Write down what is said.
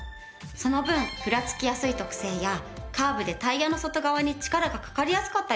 その分ふらつきやすい特性やカーブでタイヤの外側に力がかかりやすかったりするのよ。